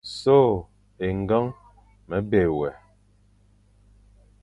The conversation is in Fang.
So é ñgeñ me be wé,